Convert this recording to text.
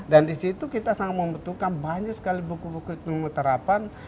dan disitu kita sangat membutuhkan banyak sekali buku buku itu untuk diterapkan